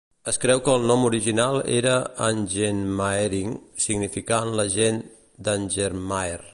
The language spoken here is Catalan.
Es creu que el nom original era "Angenmaering" significant la gent d'Angenmaer.